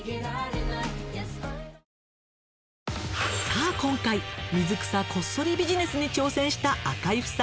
さあ今回水草こっそりビジネスに挑戦した赤井夫妻。